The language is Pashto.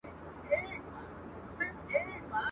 زه که نه سوم ته، د ځان په رنګ دي کم.